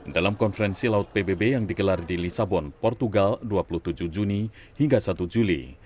dalam konferensi laut pbb yang digelar di lisabon portugal dua puluh tujuh juni hingga satu juli